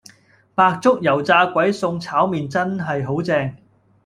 白粥油炸鬼送炒麵真係好正